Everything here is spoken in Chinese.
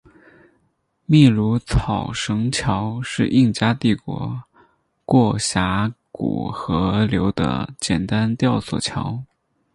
秘鲁草绳桥是印加帝国过峡谷和河流的简单吊索桥。